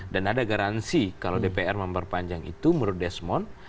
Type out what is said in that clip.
dan ada garansi kalau dpr memperpanjang itu menurut desmond